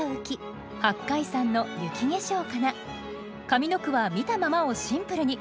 上の句は見たままをシンプルに。